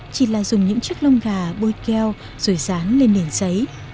chỉ là dùng những chiếc lông gà bôi keo rồi dán lên nền giấy